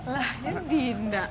lah ini dinda